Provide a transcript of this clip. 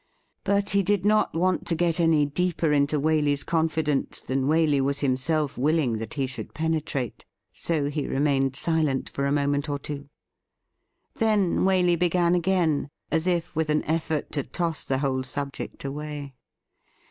But he did not want to get any deeper into Waley's con fidence than Waley was himself willing that he should penetrate. So he remained silent for a moment or two. Then Waley began again, as if with an eiFort to toss the whole subject away.